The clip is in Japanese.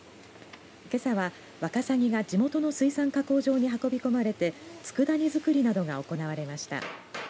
けさは、わかさぎが地元の水産加工場に運び込まれてつくだ煮づくりなどが行われました。